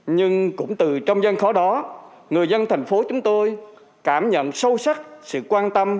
nhưng cũng từ trong gian khó đó người dân thành phố chúng tôi cảm nhận sâu sắc sự quan tâm